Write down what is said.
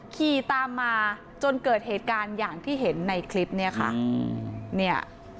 ขี่ตามมาจนเกิดเหตุการณ์อย่างที่เห็นในคลิปเนี่ยค่ะเนี่ย